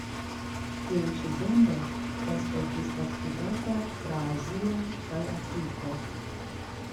Tiu ĉi genro estas disvastigata tra Azio kaj Afriko.